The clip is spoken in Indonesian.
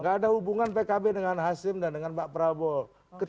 gak ada hubungan pkb dengan hasim dan dengan pak prabowo